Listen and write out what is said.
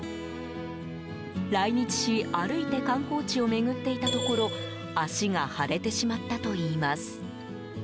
来日し歩いて観光地を巡っていたところ足が腫れてしまったといいます。